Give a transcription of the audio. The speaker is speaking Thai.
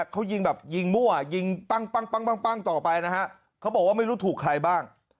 เขายิงแบบยิงมั่วยิงปั้งต่อไปนะฮะเขาบอกว่าไม่รู้ถูกใครบ้าง